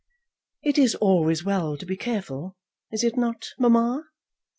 "It is always well to be careful; is it not, mamma?"